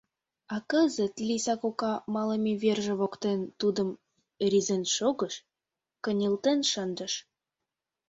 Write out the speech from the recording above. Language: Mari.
А кызыт Лийса кока малыме верже воктен тудым рӱзен шогыш, кынелтен шындыш.